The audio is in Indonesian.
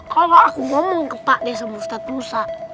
kalau aku ngomong ke pak de sama ustadz musa